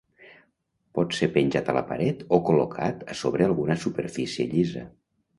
Pot ser penjat a la paret o col·locat a sobre alguna superfície llisa.